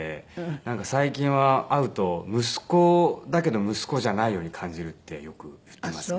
なんか最近は会うと息子だけど息子じゃないように感じるってよく言ってますね。